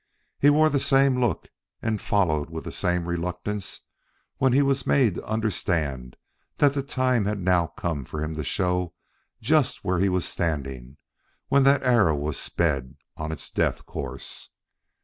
He wore the same look and followed with the same reluctance when he was made to understand that the time had now come for him to show just where he was standing when that arrow was sped on its death course.